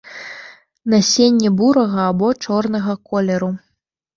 Насенне бурага або чорнага колеру.